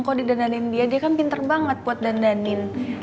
kok didandanin dia dia kan pinter banget buat dandanin